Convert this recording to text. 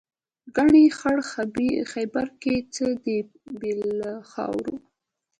ګنې خړ خیبر کې څه دي بې له خاورو.